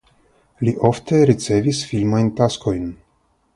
Li ofte ricevis filmajn taskojn.